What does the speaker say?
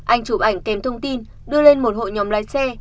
anh chụp ảnh kèm thông tin đưa lên một hội nhóm lái xe